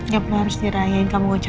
gak perlu harus dirayain kamu ngecat aku ya